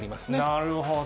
なるほど。